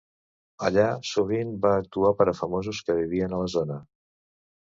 Allà, sovint va actuar per a famosos que vivien a la zona.